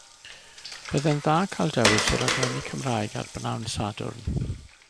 Bydde'n dda cael dewis o raglenni Cymraeg ar bnawn Sadwrn.